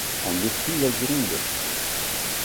En dessous: la Gironde.